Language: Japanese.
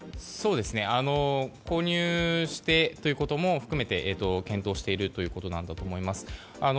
購入してということも含めて検討しているということなんだと思います。